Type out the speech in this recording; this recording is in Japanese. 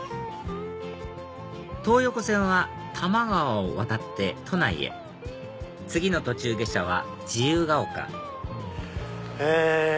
東横線は多摩川を渡って都内へ次の途中下車は自由が丘え